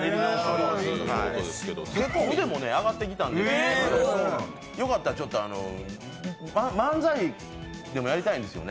結構、腕も上がってきたんでよかったら漫才でもやりたいんですよね。